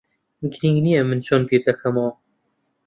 گرنگ نییە من چۆن بیر دەکەمەوە.